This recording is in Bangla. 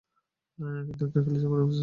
কিন্তু একটা খালি চেম্বারে এসে উপস্থিত হলাম।